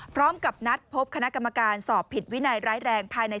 พร้อมกับนัดพบคณะกรรมการสอบผิดวินัยร้ายแรงภายใน